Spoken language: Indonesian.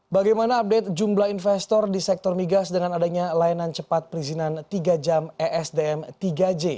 bagaimana update jumlah investor di sektor migas dengan adanya layanan cepat perizinan tiga jam esdm tiga j